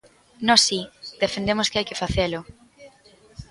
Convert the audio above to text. Nós si, defendemos que hai que facelo.